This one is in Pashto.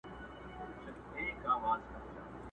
چي پر قام دي خوب راغلی په منتر دی!!